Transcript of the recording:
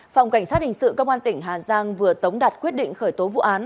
phòng cảnh sát hình sự công an tỉnh hà giang vừa tống đạt quyết định khởi tố vụ án